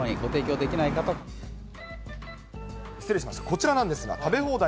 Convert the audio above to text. こちらなんですが、食べ放題。